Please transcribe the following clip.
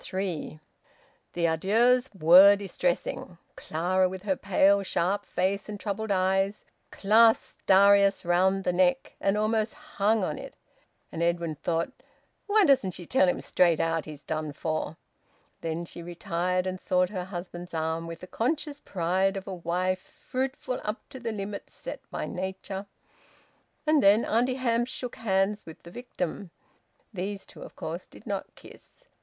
THREE. The adieux were distressing. Clara, with her pale sharp face and troubled eyes, clasped Darius round the neck, and almost hung on it. And Edwin thought: "Why doesn't she tell him straight out he's done for?" Then she retired and sought her husband's arm with the conscious pride of a wife fruitful up to the limits set by nature. And then Auntie Hamps shook hands with the victim. These two of course did not kiss.